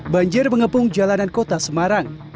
banjir mengepung jalanan kota semarang